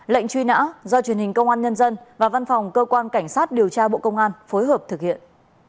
lệnh truy nã do truyền hình công an nhân dân và văn phòng cơ quan cảnh sát điều tra bộ công an phối hợp thực hiện